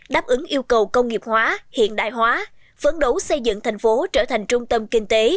đáp ứng yêu cầu công nghiệp hóa hiện đại hóa phấn đấu xây dựng thành phố trở thành trung tâm kinh tế